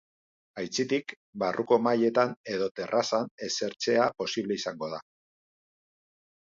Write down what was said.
Aitzitik, barruko mahaietan edo terrazan esertzea posible izango da.